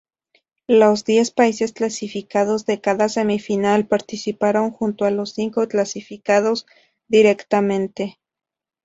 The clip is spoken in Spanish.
Los diez países clasificados de cada semifinal participaron junto a los cinco clasificados directamente.